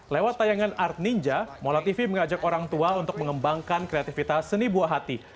lewat tayangan art ninja mola tv mengajak orang tua untuk mengembangkan kreativitas seni buah hati